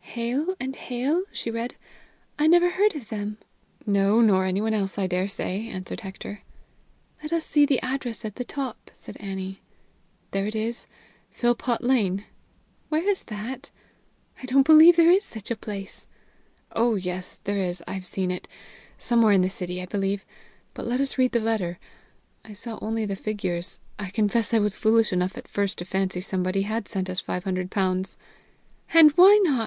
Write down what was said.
"Hale & Hale?" she read. "I never heard of them!" "No, nor anyone else, I dare say," answered Hector. "Let us see the address at the top," said Annie. "There it is Philpot Lane." "Where is that? I don't believe there is such a place!" "Oh, yes, there is; I've seen it somewhere in the City, I believe. But let us read the letter. I saw only the figures. I confess I was foolish enough at first to fancy somebody had sent us five hundred pounds!" "And why not?"